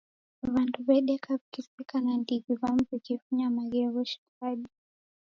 Wandu wedeka wikiseka na ndighi wamu wikifunya maghegho shighadi